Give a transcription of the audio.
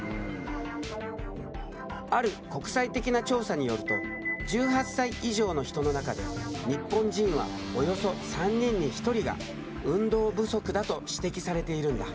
ある国際的な調査によると１８歳以上の人の中で日本人はおよそ３人に１人が運動不足だと指摘されているんだ。